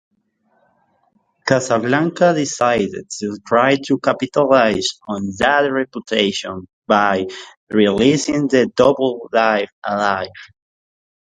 Casablanca decided to try to capitalize on that reputation by releasing the double-live Alive!